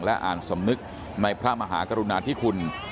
และอ่านสำนึกในพระมหากรุณาธิคุณ